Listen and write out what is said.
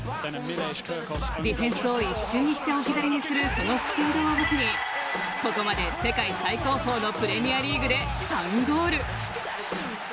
ディフェンスを一瞬にして置き去りするそのスピードを武器にここまで世界最高峰のプレミアリーグで３ゴール。